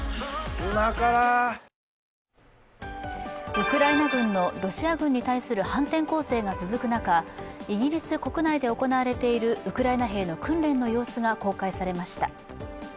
ウクライナ軍のロシア軍への反転攻勢が続く中、イギリス国内で行われているウクライナ兵の訓練の様子が公開されました。